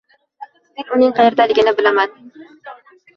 Men uning qaerdaligini bilaman